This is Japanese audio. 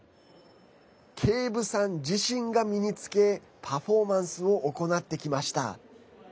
ケイブさん自身が身に着けパフォーマンスを行ってきました。